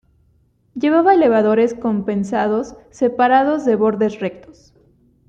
Llevaba elevadores compensados separados de bordes rectos.